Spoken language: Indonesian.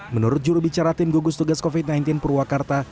menurut jurubicara tim gugus tugas covid sembilan belas purwakarta